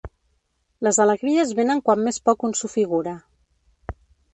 Les alegries venen quan més poc un s'ho figura.